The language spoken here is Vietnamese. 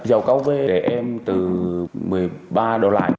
giao cấu với em từ một mươi ba đô la